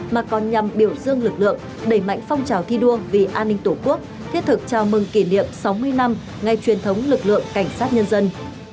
mà còn nhằm biểu dương lực lượng đẩy mạnh phong trào thi đua vì an ninh tổ quốc thiết thực chào mừng kỷ niệm sáu mươi năm ngày truyền thống lực lượng cảnh sát nhân dân